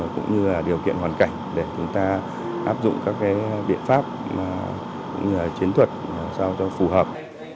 cũng như là điều kiện hoàn cảnh để chúng ta áp dụng các biện pháp chiến thuật phù hợp